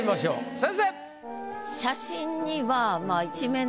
先生！